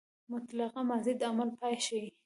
مطلقه ماضي د عمل پای ښيي.